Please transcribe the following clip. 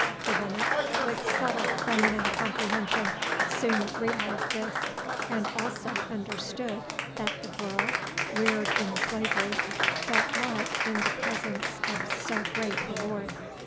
The woman, with subtle feminine comprehension, soon realised this, and also understood that the girl, reared in slavery, felt awed in the presence of so great a lord.